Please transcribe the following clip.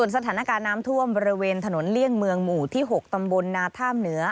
สถานการณ์น้ำท่วมบริเวณถนนเลี่ยงเมืองหมู่ที่๖ตำบลนาท่ามเหนือ